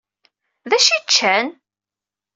Dacu i ččan?